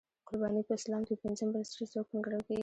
قرباني په اسلام کې پنځم بنسټیز رکن ګڼل کېږي.